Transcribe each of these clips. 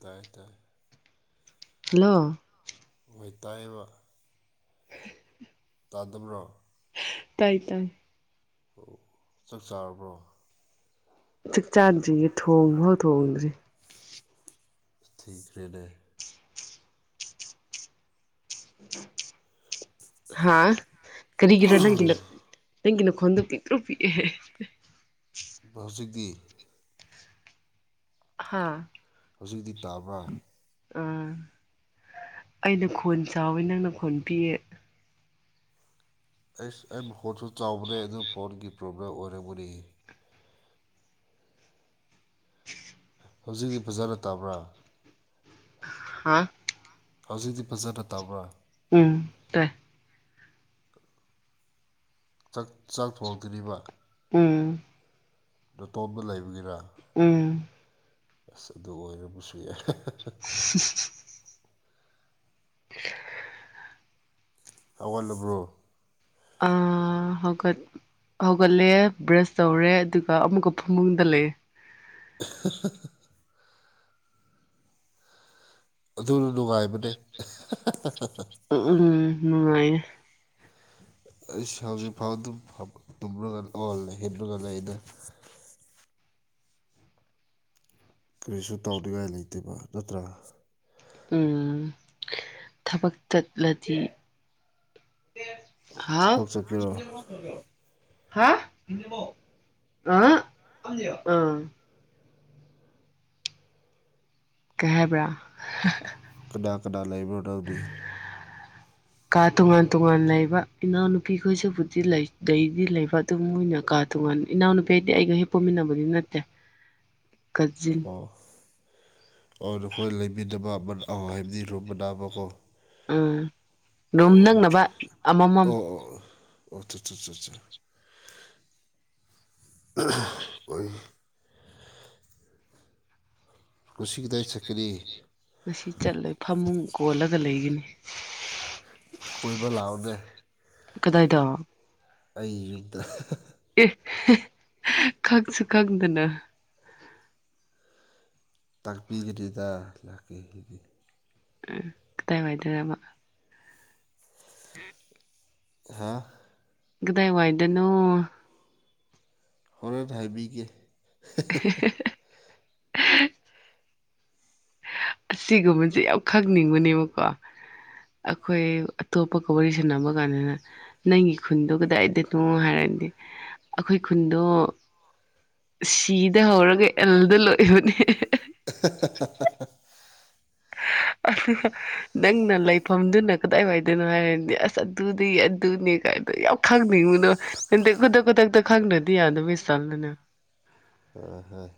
ꯇꯥꯏꯌꯦ ꯇꯥꯏꯌꯦ ꯍꯜꯂꯣ ꯑꯣꯏ ꯇꯥꯏꯌꯦꯕ ꯇꯥꯗꯕ꯭ꯔꯣ ꯇꯥꯏ ꯇꯥꯏ ꯑꯣ ꯆꯥꯛ ꯆꯥꯔꯕ꯭ꯔꯣ ꯆꯥꯛ ꯆꯥꯗ꯭ꯔꯤꯌꯦ ꯊꯣꯡꯐꯧ ꯊꯣꯡꯗ꯭ꯔꯤ ꯊꯤꯈ꯭ꯔꯦꯗ ꯍꯥ ꯀꯔꯤꯒꯤꯔ ꯅꯪꯒꯤꯅ ꯅꯪꯒꯤ ꯅꯈꯣꯟꯗꯣ ꯄꯤꯛꯇꯔꯨ ꯄꯤꯀꯤꯁꯦ [unintelligible] ꯍꯥꯥ ꯍꯧꯖꯤꯛꯇꯤ ꯇꯥꯕ꯭ꯔ ꯑꯥ ꯑꯩꯅ ꯈꯣꯟ ꯆꯥꯎꯋꯤ ꯅꯪꯅ ꯈꯣꯟ ꯄꯤꯛꯑꯦ ꯑꯩꯁ ꯑꯩ ꯃꯥꯈꯣꯟ ꯁꯨ ꯆꯥꯎꯕꯅꯦ ꯑꯗꯨ ꯐꯣꯟꯒꯤ ꯄ꯭ꯔꯣꯕ꯭ꯂꯦꯝ ꯑꯣꯏꯔꯝꯒꯅꯤ ꯍꯧꯖꯤꯛꯇꯤ ꯐꯖꯅ ꯇꯕ꯭ꯔꯥ ꯍꯥ ꯍꯧꯖꯤꯛꯇꯤ ꯐꯖꯅ ꯇꯕ꯭ꯔꯥ ꯎꯝ ꯇꯥꯏ ꯆꯥꯛ ꯆꯥꯛ ꯊꯣꯡꯗꯔꯤꯕ ꯎꯝ ꯅꯥꯇꯣꯝꯇ ꯂꯩꯕꯒꯤꯔꯥ ꯎꯝ ꯑꯁ ꯑꯗꯨ ꯑꯣꯏꯔꯕꯁꯨ ꯌꯥꯏ [unintelligible] [unintelligible] ꯍꯧꯒꯠꯂꯕ꯭ꯔꯣ ꯑ ꯍꯧꯒꯠ ꯍꯧꯒꯠꯂꯦ ꯕ꯭ꯔꯁ ꯇꯧꯔꯦ ꯑꯗꯨꯒ ꯑꯃꯨꯛꯀ ꯐꯃꯨꯡꯗ ꯂꯩꯑꯦ [unintelligible] ꯑꯗꯨꯅ ꯅꯨꯡꯉꯥꯏꯕꯅꯦ ꯎ ꯎꯝ ꯅꯨꯡꯉꯥꯏꯦ ꯑꯩ ꯍꯧꯖꯤꯛ ꯐꯥꯎ ꯑꯗꯨꯝ ꯇꯨꯝꯒ ꯑꯣꯜꯂ ꯍꯦꯟꯂꯒ ꯑꯩꯅ ꯀꯔꯤꯁꯨ ꯇꯥꯎꯅꯤꯡꯉꯥꯏ ꯂꯩꯇꯦꯕ ꯅꯠꯇ꯭ꯔꯥ ꯊꯕꯛ ꯆꯠꯂꯗꯤ ꯍꯥꯥꯎ ꯊꯕꯛ ꯆꯠꯀꯦꯔꯣ ꯍꯥ ꯑꯍꯛ ꯑꯥ ꯀꯩ ꯍꯥꯏꯕ꯭ꯔꯥ ꯀꯅꯥ ꯀꯅꯥ ꯂꯩꯕꯔꯣ ꯅꯪꯗꯤ [unintelligible] ꯀꯥ ꯇꯣꯉꯥꯟ ꯇꯣꯉꯥꯟ ꯂꯩꯕ ꯏꯅꯥꯎꯅꯨꯄꯤ ꯈꯣꯏꯁꯤꯕꯨꯗꯤ ꯂꯩ ꯂꯩꯗꯤ ꯂꯩꯕ ꯑꯗꯨ ꯃꯣꯏꯅ ꯀꯥ ꯇꯣꯡꯉꯥꯟꯕ ꯏꯅꯥꯎꯅꯨꯄꯤ ꯍꯥꯏꯗꯤ ꯑꯩꯒ ꯍꯦꯛ ꯄꯣꯛꯃꯤꯟꯅꯕꯅꯤ ꯅꯠꯇꯦ ꯀꯖꯤꯟ ꯑꯣ ꯑꯣ ꯅꯈꯣꯏ ꯂꯩꯃꯤꯗꯕ ꯑꯃ ꯑ ꯍꯥꯏꯕꯗꯤ ꯔꯨꯝꯕ ꯅꯥꯕ ꯀꯣ ꯎꯝ ꯔꯝ ꯅꯪꯅꯕ ꯑꯃꯃꯝ ꯑꯣ ꯑꯣ ꯑꯣ [unintelligible] ꯍꯣꯏ ꯁꯤ ꯀꯗꯥꯏ ꯆꯀꯤꯔꯤ ꯉꯁꯤ ꯆꯠꯂꯣꯏ ꯐꯃꯨꯡ ꯀꯣꯜꯂꯒ ꯂꯩꯒꯅꯤ ꯀꯣꯏꯕ ꯂꯥꯎꯗ꯭ꯔꯦ ꯀꯗꯥꯏꯗꯣ ꯑꯩ ꯌꯨꯝꯗ ꯈꯪꯁꯨ ꯈꯪꯗꯅ ꯇꯥꯛꯄꯤꯒꯅꯤꯗ ꯂꯥꯛꯀꯦ ꯍꯥꯏꯗꯤ ꯎꯝ ꯀꯗꯥꯏꯋꯥꯏꯗꯕ ꯎꯝ ꯍꯥꯥ ꯒꯤꯗꯩ ꯋꯥ ꯏꯗꯅꯣ ꯍꯣꯔꯦꯟ ꯍꯥꯏꯕꯤꯒꯦ [unintelligible] ꯑꯁꯤꯒꯨꯝꯕꯁꯦ ꯌꯥꯝ ꯈꯪꯅꯤꯡꯕꯅꯦꯕꯀꯣ ꯑꯩꯈꯣꯏ ꯑꯇꯣꯞꯄ ꯀ ꯋꯥꯔꯤ ꯁꯟꯅꯅꯕ ꯀꯥꯟꯗꯅ ꯅꯪꯒꯤ ꯈꯨꯟꯗꯣ ꯀꯗꯥꯏꯗꯅꯣ ꯍꯥꯏꯔꯗꯤ ꯑꯩꯈꯣꯏ ꯈꯨꯟꯗꯣ ꯁꯤꯗ ꯍꯧꯔꯒ ꯑꯦꯜꯗ ꯂꯣꯏꯏꯕꯅꯦ [unintelligible] [unintelligible] ꯑ ꯑꯗꯨꯒ ꯅꯪꯅ ꯂꯩꯐꯝꯗꯨꯅ ꯀꯗꯥꯏ ꯋꯥꯏꯗꯣꯏꯅꯣ ꯍꯥꯏꯔꯗꯤ ꯑꯁ ꯑꯗꯨꯗꯤ ꯑꯗꯨꯅꯤ ꯀꯥꯏꯗꯣ ꯌꯥꯝ ꯈꯪꯅꯤꯉꯅꯣ ꯈꯨꯗꯛ ꯈꯨꯗꯛꯇ ꯈꯪꯅꯗꯤ ꯌꯥꯗ ꯁꯜꯗꯅ ꯍꯣꯏ ꯍꯣꯏ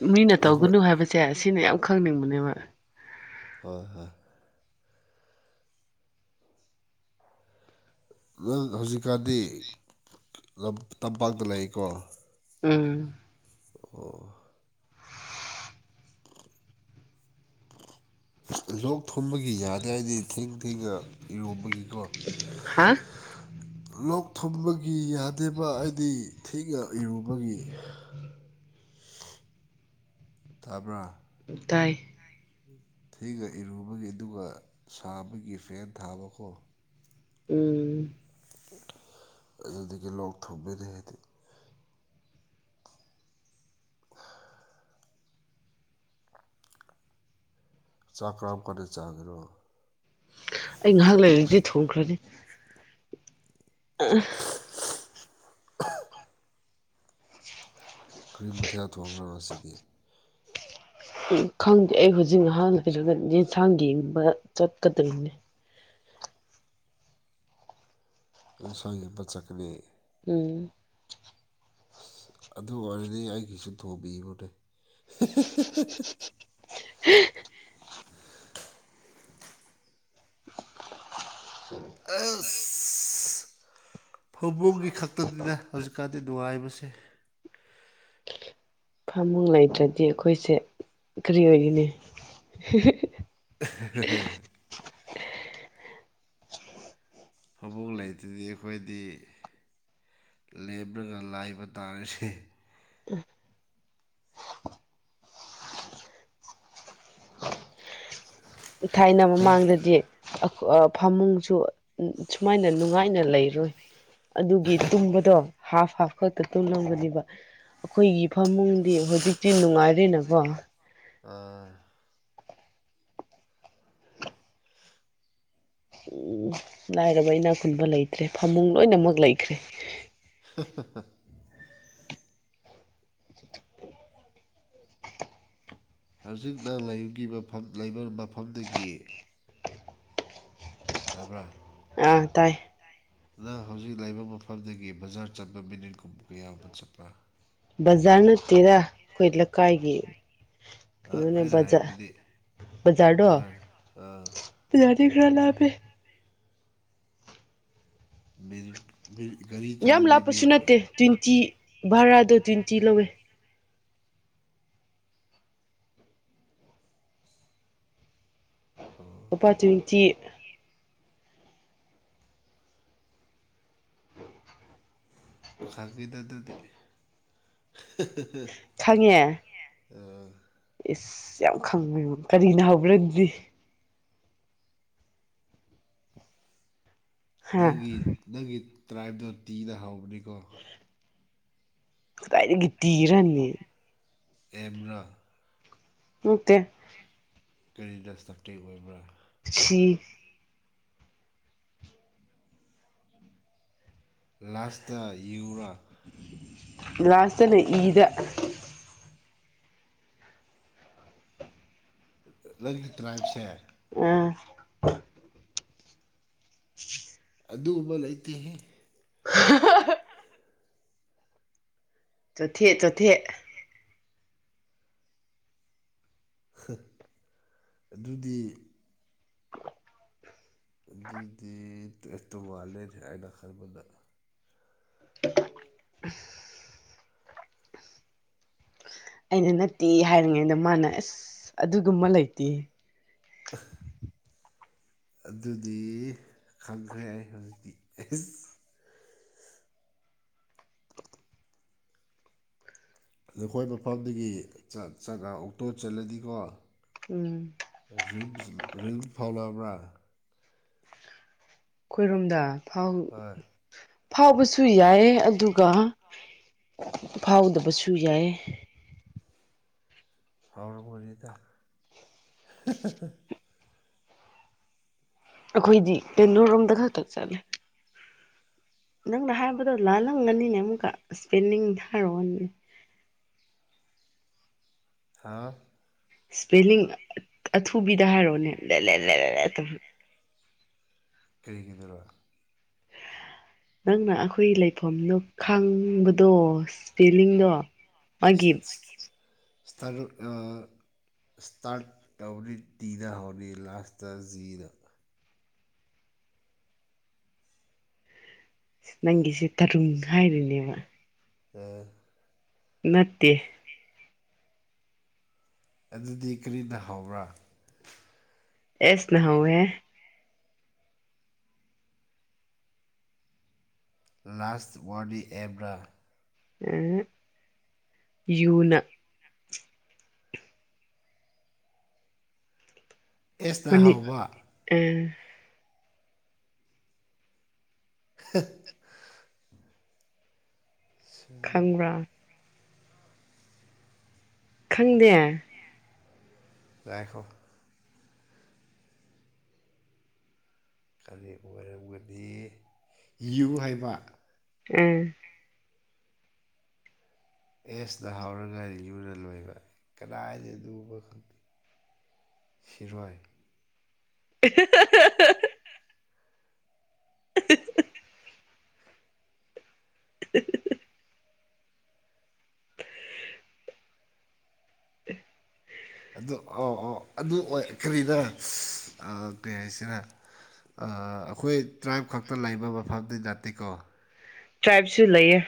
ꯃꯤꯅ ꯅꯈꯣꯏ ꯇꯧꯒꯅꯨ ꯍꯥꯏꯕꯁꯦ ꯁꯤꯅ ꯌꯥꯝ ꯈꯪꯅꯤꯡꯕꯅꯦꯕ ꯍꯣꯏ ꯍꯣꯏ ꯅꯪ ꯍꯧꯖꯤꯛꯀꯥꯟꯗꯤ ꯇꯝꯄꯥꯛꯇ ꯂꯩꯀꯣ ꯎꯝ ꯑꯣ ꯂꯣꯛ ꯊꯨꯝꯕꯒꯤ ꯌꯥꯗꯦ ꯍꯥꯏꯗꯤ ꯊꯦꯡ ꯊꯦꯡꯉ ꯏꯔꯣꯝꯕꯒꯤꯀꯣ ꯍꯥꯥ ꯂꯣꯛ ꯊꯨꯝꯕꯒꯤ ꯌꯥꯗꯦꯕ ꯍꯥꯏꯗꯤ ꯊꯦꯡꯅ ꯏꯔꯨꯕꯒꯤ ꯇꯥꯕ꯭ꯔꯥ? ꯇꯥꯏ ꯊꯤꯒ ꯏꯔꯨꯕꯒꯤ ꯑꯗꯨꯒ ꯁꯥꯕꯒꯤ ꯐꯦꯟ ꯊꯥꯕꯈꯣ ꯎꯝ ꯑꯗꯨꯗꯒꯤ ꯂꯣꯛꯊꯨꯡꯕꯅꯦ ꯑꯩꯗꯤ꯫ ꯆꯥꯛ ꯀꯔꯥꯝ ꯀꯥꯟꯗ ꯆꯥꯒꯦꯔꯣ? ꯑꯩ ꯉꯥꯏꯍꯥꯛ ꯂꯩꯔꯗꯤ ꯊꯣꯡꯈ꯭ꯔꯅꯤ꯫ ꯑ ꯀꯔꯤꯕꯊꯌꯥ ꯊꯣꯡꯉꯅꯣ ꯉꯁꯤꯗꯤ ꯎ ꯈꯪꯗꯦ ꯑꯩ ꯍꯧꯖꯤꯛ ꯉꯍꯥꯟꯩ ꯌꯦꯟꯁꯥꯡ ꯌꯦꯡꯕ ꯆꯠꯀꯗꯔꯤꯕꯅꯦ ꯏꯟꯁꯥꯡꯒꯤ ꯃꯆꯠꯀꯅꯤ ꯎꯝ ꯑꯗꯨ ꯑꯣꯏꯔꯗꯤ ꯑꯩꯒꯤꯁꯨ ꯊꯣꯡꯕꯤꯕꯅꯦ [unintelligible] ꯍ ꯑ ꯐꯕꯨꯡꯒꯤ ꯈꯛꯇꯅꯤꯅ ꯍꯧꯖꯤꯛꯀꯥꯟꯗꯤ ꯅꯨꯡꯉꯥꯏꯕꯁꯦ ꯐꯥꯃꯨꯡ ꯂꯩꯇ꯭ꯔꯗꯤ ꯑꯩꯈꯣꯏꯁꯦ ꯀꯔꯤ ꯑꯣꯏꯒꯅꯤ? [unintelligible] ꯊꯕꯛ ꯂꯩꯇꯗꯤ ꯑꯩꯈꯣꯏꯗꯤ ꯂꯦꯞꯂꯒ ꯂꯥꯏꯕ ꯇꯥꯔꯦꯁꯦ [unintelligible] ꯊꯥꯏꯅ ꯃꯃꯥꯡꯗꯗꯤ ꯑꯈꯣ ꯑ ꯐꯃꯨꯡꯁꯨ ꯁꯨꯃꯥꯏꯅ ꯅꯨꯡꯉꯥꯏꯅ ꯂꯩꯔꯣꯏ꯫ ꯑꯗꯨꯒꯤ ꯇꯨꯝꯕꯗꯣ ꯍꯥꯐ - ꯍꯥꯐ ꯈꯛꯇ ꯇꯨꯝꯂꯝꯒꯅꯦꯕ꯫ ꯑꯩꯈꯣꯏꯒꯤ ꯐꯃꯨꯡꯗꯤ ꯍꯧꯖꯤꯛꯇꯤ ꯅꯨꯡꯉꯥꯏꯔꯦꯅꯀꯣ꯫ ꯑꯥ ꯂꯥꯏꯔꯕ ꯏꯅꯥ ꯈꯨꯨꯟꯕ ꯂꯩꯇ꯭ꯔꯦ ꯐꯃꯨꯡ ꯂꯣꯏꯅꯃꯛ ꯂꯩꯈ꯭ꯔꯦ [unintelligible] ꯍꯧꯖꯤꯛꯅ ꯂꯩꯕꯒꯤ ꯃꯐꯝ ꯂꯩꯕ ꯃꯐꯝꯗꯒꯤ ꯇꯥꯕ꯭ꯔꯥ? ꯑꯥ ꯇꯥꯏ ꯅꯪ ꯍꯧꯖꯤꯛ ꯂꯩꯕ ꯃꯐꯝꯗꯒꯤ ꯕꯖꯥꯔ ꯆꯠꯄ ꯃꯤꯅꯤꯠ ꯀꯨꯝꯕ ꯀꯌꯥꯒꯨꯝꯕ ꯆꯠꯄ꯭ꯔꯥ ꯕꯖꯥꯔꯅꯠꯇꯦꯗꯥ ꯑꯩꯈꯣꯏ ꯂꯩꯀꯥꯏꯒꯤ ꯀꯩꯅꯣꯅꯦ ꯑꯩꯅ ꯕꯖꯥ ꯍꯥꯏꯕꯗꯤ ꯕꯖꯥꯔꯗꯣ ꯕꯖꯥꯔ ꯕꯖꯥꯔꯗꯩ ꯈꯔ ꯂꯥꯞꯄꯦ꯫ ꯕꯤꯜ [unintelligible] ꯌꯥꯝ ꯂꯥꯞꯄꯁꯨ ꯅꯠꯇꯦ ꯇ꯭ꯋꯣꯟꯇꯤ ꯚꯔꯥꯗꯣ ꯇ꯭ꯋꯣꯟꯇꯤ ꯂꯧꯋꯦ ꯑꯣ ꯂꯨꯄꯥ ꯇꯨꯏꯟꯇꯤ ꯈꯪꯉꯤꯗ ꯑꯗꯨꯗꯤ [unintelligible] ꯈꯪꯉꯦ ꯎꯝ ꯏꯁ ꯌꯥꯝ ꯈꯪꯕꯩ ꯃꯑꯣꯡ ꯀꯔꯤꯅꯥ ꯍꯧꯕ꯭ꯔꯗꯤ ꯍꯥ ꯅꯪꯒꯤ ꯅꯪꯒꯤ ꯇ꯭ꯔꯥꯏꯞꯇꯣ ꯇꯤꯅ ꯍꯥꯎꯕꯅꯤꯀꯣ ꯀꯥꯗꯥꯏꯗꯒꯤ ꯇꯤꯔꯅꯦ? ꯑꯦꯝꯔꯥ ꯅꯠꯇꯦ ꯀꯔꯤꯗ ꯁꯕꯖꯦꯛ ꯑꯣꯏꯕ꯭ꯔꯥ ꯁꯤ ꯂꯥꯁꯇꯥ ꯌꯨꯔꯥ? ꯂꯥꯁꯇꯅ ꯏꯗ ꯅꯪꯒꯤ ꯇ꯭ꯔꯥꯏꯞꯁꯦ ꯑ ꯑꯗꯨꯒꯨꯝꯕ ꯂꯩꯇꯦꯍꯦ ꯆꯣꯊꯦ - ꯆꯣꯊꯦ ꯍꯥ ꯑꯗꯨꯗꯤ ꯑꯗꯨꯗꯤ ꯇꯣ ꯃꯥꯜꯂꯦ ꯑꯩꯅ ꯈꯟꯕꯗ ꯑꯩꯅ ꯅꯠꯇꯦ ꯍꯥꯏꯔꯤꯉꯩꯗ ꯃꯥꯅ ꯑꯁ ꯑꯗꯨꯒꯨꯝꯕ ꯂꯩꯇꯦ [unintelligible] ꯑꯗꯨꯗꯤ ꯈꯪꯈ꯭ꯔꯦ ꯑꯩ ꯍꯧꯖꯤꯛꯇꯤ ꯑꯁ ꯅꯈꯣꯏ ꯃꯐꯝꯗꯒꯤ ꯆꯠ ꯆꯠꯉꯥ ꯑꯣꯛꯇꯣ ꯆꯠꯂꯗꯤꯀꯣ ꯎꯝ ꯔꯤꯝꯁ ꯔꯤꯝ ꯐꯥꯎꯑꯕ꯭ꯔꯥ ꯑꯩꯈꯣꯏꯔꯣꯝꯗ ꯐꯥꯎ ꯍꯣꯏ ꯐꯥꯎꯕꯁꯨ ꯌꯥꯏ ꯑꯗꯨꯒ ꯐꯥꯎꯗꯕꯁꯨ ꯌꯥꯏ ꯐꯥꯎꯔꯕꯨꯔꯤꯗ ꯑꯩꯈꯣꯏꯗꯤ ꯀꯩꯅꯣꯔꯣꯝꯗ ꯈꯛꯇ ꯆꯠꯂꯦ ꯅꯪꯅ ꯍꯥꯏꯕꯗꯣ ꯂꯥꯜꯂꯝꯒꯅꯤꯅꯦ ꯑꯃꯨꯛꯀ ꯏꯁꯄꯦꯟꯂꯤꯡ ꯊꯥꯔꯛꯑꯣꯅꯦ ꯍꯥꯥ ꯁꯄꯦꯂꯤꯡ ꯑꯊꯨꯕꯤꯗ ꯍꯥꯏꯔꯣꯅꯦ ꯂꯩ ꯂꯩꯔꯦꯔꯦꯔꯦ tou ꯀꯔꯤꯒꯤꯗꯣꯔ ꯅꯪꯅ ꯑꯩꯈꯣꯏꯒꯤ ꯂꯩꯐꯝꯗꯣ ꯈꯪꯕꯗꯣ ꯏꯁꯄꯦꯂꯤꯡꯗꯣ ꯃꯥꯒꯤ ꯏꯁ ꯇꯔꯨꯠ ꯑ ꯏꯁꯇꯥꯔꯠ ꯇꯧꯅꯤ ꯇꯤꯗ ꯍꯧꯅꯤ ꯂꯥꯁꯇ ꯖꯤꯗ ꯅꯪꯒꯤꯁꯦ ꯇꯔꯨꯡ ꯍꯥꯏꯔꯤꯅꯦꯕ꯫ ꯎꯝ ꯅꯠꯇꯦ ꯑꯗꯨꯗꯤ ꯀꯔꯤꯅ ꯍꯧꯕꯔ꯭ꯥ? ꯑꯦꯁꯅ ꯍꯧꯋꯦ ꯂꯥꯁ ꯋꯥꯔꯗꯤ ꯑꯦꯞꯔꯥ? ꯑꯦ ꯌꯨꯅ ꯑꯦꯁꯇꯅ ꯍꯧꯕ ꯑꯦ [unintelligible] ꯈꯪꯕ꯭ꯔꯥ ꯈꯪꯗꯦ ꯉꯥꯏꯈꯣ ꯀꯔꯤ ꯑꯣꯏꯔꯝꯒꯗꯤ ꯌꯨ ꯍꯥꯏꯕ ꯎꯝ ꯑꯦꯁꯇꯅ ꯍꯧꯔꯒ ꯌꯨꯅ ꯂꯣꯏꯕ ꯀꯗꯥꯏꯗ ꯑꯗꯨꯕ ꯈꯪꯗꯦ ꯁꯤꯔꯣꯏ [unintelligible] [unintelligible] [unintelligible] [unintelligible] [unintelligible] ꯑꯗꯨ ꯑꯧ ꯑꯧ ꯑꯗꯨ ꯑꯣꯏ ꯀꯔꯤꯔꯥ ꯀꯔꯤ ꯍꯥꯏꯁꯤꯔ ꯑꯩꯈꯣꯏ ꯇ꯭ꯔꯥꯏꯞ ꯈꯛꯇ ꯂꯩꯕ ꯃꯐꯝꯗꯤ ꯅꯠꯇꯦꯀꯣ ꯇ꯭ꯔꯥꯏꯞꯁꯨ ꯂꯩꯌꯦ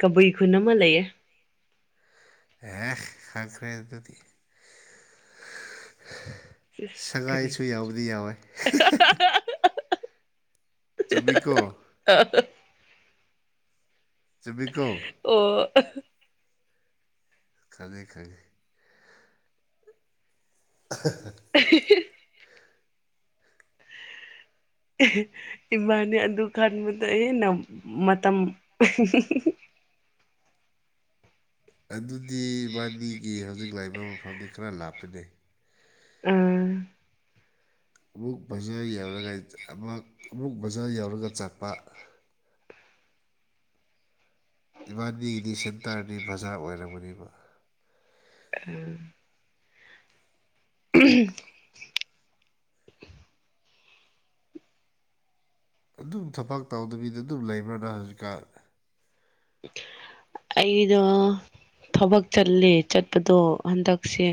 ꯀꯕꯨꯏ ꯈꯨꯟ ꯑꯃ ꯂꯩꯌꯦ ꯑꯦ ꯈꯪꯈꯔ ꯑꯗꯨꯗꯤ ꯀꯔꯤ ꯁꯒꯥꯏꯁꯨ ꯌꯥꯎꯕꯨꯗꯤ ꯌꯥꯎꯋꯦ [unintelligible] ꯆꯨꯝꯃꯤꯀꯣ [unintelligible] ꯆꯨꯝꯃꯤꯀꯣ ꯑꯣ ꯈꯪꯉꯦ ꯈꯪꯉꯦ [inaudible] [unintelligible] ꯏꯃꯅꯤ ꯑꯗꯨ ꯀꯥꯟꯗꯨꯗ ꯍꯦꯟꯅꯝ ꯃꯇꯝ ꯑꯗꯨꯗꯤ ꯏꯕꯥꯟꯅꯤꯒꯤ ꯍꯧꯖꯤꯛ ꯂꯥꯛꯏꯕ ꯃꯐꯝꯗꯤ ꯈꯔ ꯂꯥꯞꯄꯦꯅꯦ ꯎꯝ ꯑꯃꯨꯛ ꯕꯖꯥꯔ ꯌꯧꯔꯒ ꯑꯃꯨꯛ ꯑꯃꯨꯛ ꯕꯖꯥꯔ ꯌꯧꯔꯒ ꯆꯥꯠꯄ ꯏꯕꯥꯟꯅꯤꯒꯤꯗꯤ ꯁꯦꯟꯇꯔꯗꯤ ꯕꯖꯥꯔ ꯑꯣꯏꯔꯝꯒꯅꯤꯕ [inaudible] [unintelligible] ꯑꯗꯨꯝ ꯊꯕꯛ ꯇꯧꯗꯕꯤꯗ ꯑꯗꯨꯝ ꯂꯩꯕ꯭ꯔ ꯅꯪ ꯍꯧꯖꯤꯛꯀꯥꯟ ꯑꯩꯗꯣ ꯊꯕꯛ ꯆꯠꯂꯦ ꯆꯠꯄꯗꯣ ꯍꯟꯗꯛꯁꯦ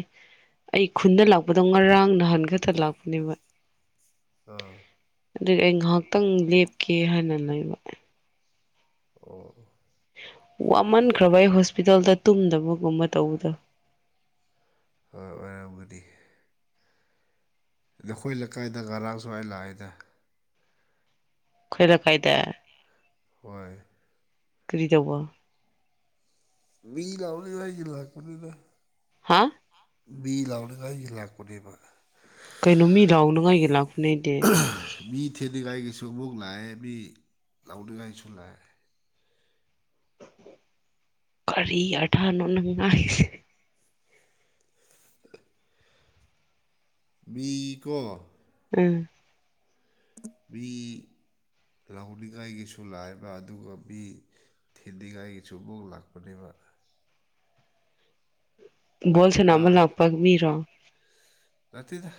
ꯑꯩ ꯈꯨꯟꯗ ꯂꯥꯛꯄꯗꯣ ꯉꯔꯥꯡ ꯅꯍꯟ ꯈꯛꯇ ꯂꯥꯛꯄꯅꯦꯕ ꯑꯥ ꯑꯗꯨꯗꯤ ꯑꯩ ꯉꯥꯏꯍꯥꯛꯇꯪ ꯂꯦꯞꯀꯦ ꯍꯥꯏꯅ ꯂꯩꯕ ꯑꯣ ꯋꯥꯃꯟꯈ꯭ꯔꯕ ꯑꯩ ꯍꯣꯁꯄꯤꯇꯥꯜꯗ ꯇꯨꯝꯗꯕꯒꯨꯝꯕ ꯇꯧꯕꯗꯣ ꯍꯣꯏ ꯑꯣꯏꯔꯝꯒꯗꯤ ꯑꯗꯣ ꯑꯩꯈꯣꯏ ꯂꯩꯀꯥꯏꯗ ꯉꯔꯥꯡ ꯁ꯭ꯋꯥꯏ ꯂꯥꯛꯑꯦꯗ ꯈꯣꯏꯔ ꯀꯥꯏꯗ ꯍꯣꯏ ꯀꯔꯤꯗꯧꯕ ꯃꯤ ꯂꯥꯎꯅꯤ ꯍꯥꯏꯒꯤ ꯂꯥꯛꯄꯅꯤꯗ ꯍꯥꯥ ꯕꯤ ꯂꯥꯎꯅꯤꯉꯥꯏ ꯂꯥꯛꯄꯅꯦꯕ ꯀꯩꯅꯣ ꯃꯤ ꯂꯥꯎꯅꯉꯥꯏꯒꯤ ꯂꯥꯛ ꯃꯤ ꯊꯤꯟꯅꯤꯡꯉꯥꯏꯒꯤꯁꯨ ꯃꯨꯛ ꯂꯥꯛꯑꯦ ꯃꯤ ꯂꯥꯎꯅꯤꯉꯥꯏ ꯂꯥꯛꯑꯦ ꯀꯔꯤ ꯑꯊꯥꯔꯅꯣ ꯅꯪ ꯉꯥꯡꯏꯁꯦ [inaudible] ꯃꯤꯀꯣ ꯎꯝ ꯃꯤ ꯂꯧꯅꯤꯡꯉꯥꯏꯒꯤꯁꯨ ꯂꯥꯛꯏꯕ ꯑꯗꯨꯒ ꯃꯤ ꯊꯤꯟꯗꯤꯒꯥꯏꯒꯤꯁꯨꯕꯣꯛ ꯂꯥꯛꯄꯅꯦꯕ ꯕꯣꯜꯁꯅꯥ ꯑꯃ ꯂꯥꯛꯄ ꯃꯤꯔꯣ ꯇꯤꯗ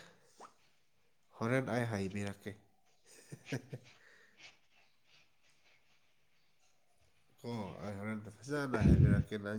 ꯍꯣꯔꯦꯟ ꯑꯩ ꯍꯥꯏꯕꯤꯔꯛꯀꯦ ꯑꯣꯣ ꯑꯩ ꯍꯥꯟꯗ ꯐꯖꯅ ꯍꯥꯏꯕꯤꯔꯛꯀꯦꯅ